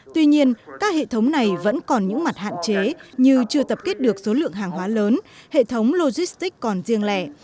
tuy nhiên các hệ thống này vẫn còn những mặt hạn chế như chưa tập kết được số lượng hàng hóa lớn hệ thống logistic còn riêng lẻ